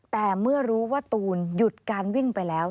แต่เมื่อรู้ว่าตูนหยุดการวิ่งไปแล้ว